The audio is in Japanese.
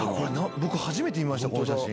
僕初めて見ましたこの写真。